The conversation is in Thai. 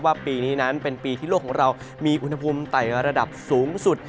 ปีนี้นั้นเป็นปีที่โลกของเรามีอุณหภูมิไต่ระดับสูงสุด